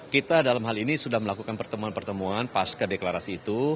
kita dalam hal ini sudah melakukan pertemuan pertemuan pas ke deklarasi itu